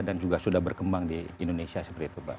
dan juga sudah berkembang di indonesia seperti itu mbak